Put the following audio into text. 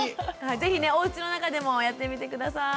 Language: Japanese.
是非ねおうちの中でもやってみて下さい。